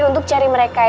untuk cari mereka